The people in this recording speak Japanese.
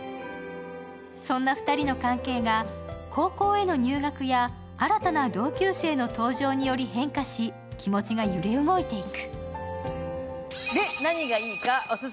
そんな２人の関係が、高校への入学や新たな同級生の登場により変化し気持ちが揺れ動いていく。